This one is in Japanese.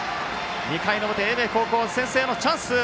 ２回の表、英明高校先制のチャンス！